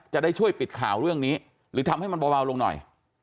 จะได้ช่วยปิดข่าวเรื่องนี้หรือทำให้มันเบาลงหน่อย